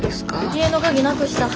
家の鍵なくした。